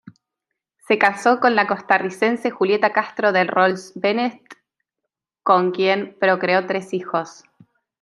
Se casó con la costarricense Julieta Castro de Rolz-Bennett, con quien procreó tres hijos.